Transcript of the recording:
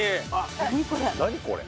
何これ？